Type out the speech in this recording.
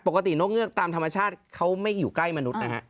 นกเงือกตามธรรมชาติเขาไม่อยู่ใกล้มนุษย์นะฮะ